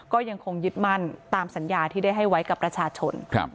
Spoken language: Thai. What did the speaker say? ก็ยังคงยึดมั่นตามสัญญาที่ได้ให้ไว้กับประชาชน